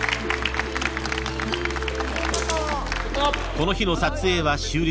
［この日の撮影は終了。